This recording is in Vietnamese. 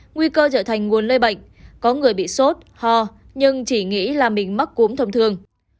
nguy cơ trở thành nguồn lây bệnh có người bị sốt ho nhưng chỉ nghĩ là mình mắc cúm thông thường